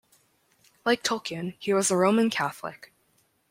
Like Tolkien, he was a Roman Catholic.